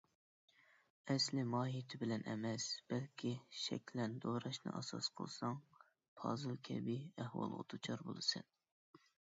ئەسلىي ماھىيتى بىلەن ئەمەس، بەلكى شەكلەن دوراشنى ئاساس قىلساڭ، پازىل كەبى ئەھۋالغا دۇچار بولىسەن.